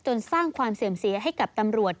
สร้างความเสื่อมเสียให้กับตำรวจ